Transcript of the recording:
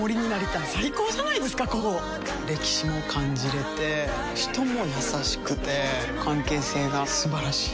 歴史も感じれて人も優しくて関係性が素晴らしい。